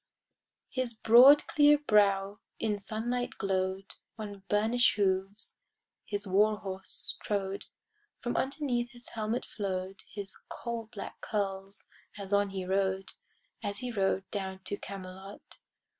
His broad clear brow in sunlight glow'd; On burnish'd hooves his war horse trode; From underneath his helmet flow'd His coal black curls as on he rode, As he rode down to Camelot.